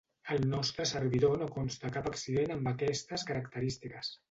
Al nostre servidor no consta cap accident amb aquestes característiques.